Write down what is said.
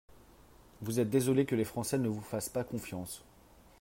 Vous être désolé que les Français ne vous fassent pas confiance.